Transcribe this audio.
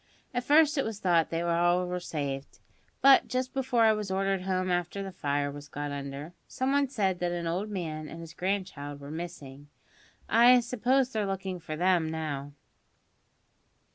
At first it was thought that all were saved; but just before I was ordered home after the fire was got under, some one said that an old man and his grandchild were missing. I suppose they're looking for them now."